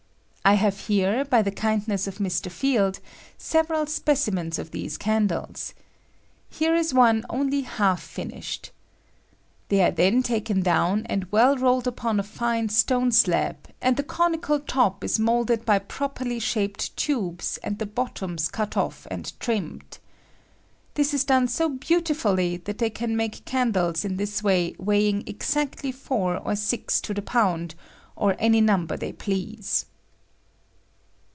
I have here, by the kindness of Mr. Field, several specimens of these candles. Here ia one only half finish ed. They are then taken down and well roll ed upon a iine stone slab, and the conical top a of I J ORNAMENTAL CANDLES. 17 ia moulded by properly shaped tabes, and the bottoms cut off and trimmed. This ia done so beautifully that they can make candles in this way weighing exactly four or six to the pound, or any number they please.